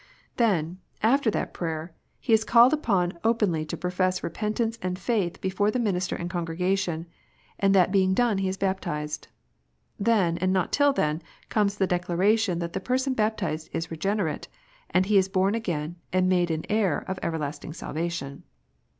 Then, after that prayer, he is called upon openly to profess repent ance and faith before the minister and congregation, and that being done he is baptized. Then, and not till then, comes the declaration that the person baptized is " regenerate," and he is born again and made an heir of everlasting salvation.